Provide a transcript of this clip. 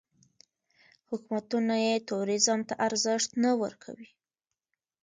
حکومتونه یې ټوریزم ته ارزښت نه ورکوي.